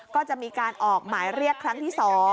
ก็จะมีการออกหมายเรียกครั้งที่๒